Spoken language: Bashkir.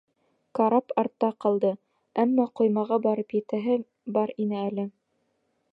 Карап артта ҡалды, әммә ҡоймаға барып етәһе бар ине әле.